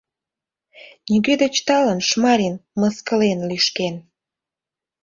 Нигӧ деч талын Шмарин мыскылен, лӱшкен.